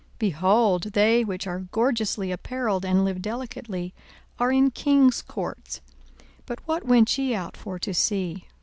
Behold, they which are gorgeously apparelled, and live delicately, are in kings' courts. 42:007:026 But what went ye out for to see?